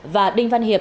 và đinh văn hiệp